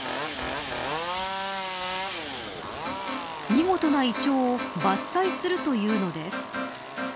見事なイチョウを伐採するというのです。